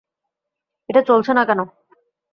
এটা চলছে না কেন?